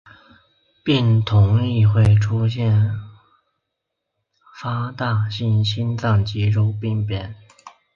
病童亦会出现发大性心脏肌肉病变。